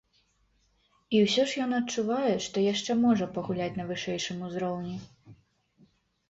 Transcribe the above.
І ўсё ж ён адчувае, што яшчэ можа пагуляць на вышэйшым узроўні.